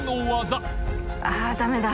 あっダメだ。